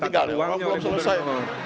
tinggal ya orang belum selesai